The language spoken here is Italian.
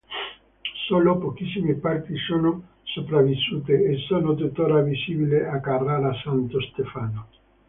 Solo pochissime parti sono sopravvissute e sono tuttora visibili a Carrara Santo Stefano.